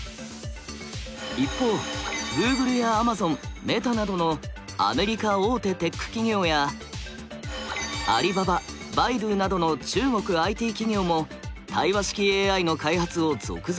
一方グーグルやアマゾンメタなどのアメリカ大手テック企業やアリババ百度などの中国ＩＴ企業も対話式ＡＩの開発を続々発表。